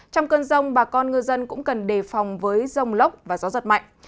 trong cơn rông bà con ngư dân cũng cần đề phòng với rông lốc và gió giật mạnh